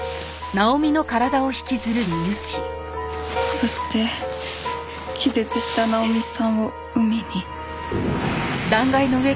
そして気絶したナオミさんを海に。